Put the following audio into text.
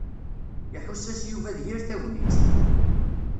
Iḥuss-as Yuba d yir tagnit.